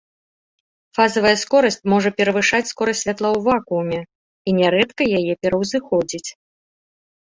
Фазавая скорасць можа перавышаць скорасць святла ў вакууме, і нярэдка яе пераўзыходзіць.